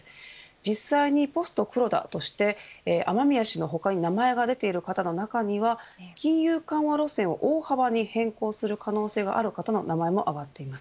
実際にポスト黒田として雨宮氏の他に名前が出ている方の中には金融緩和路線を大幅に変更する可能性がある方の名前も挙がっています。